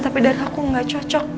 tapi dan aku gak cocok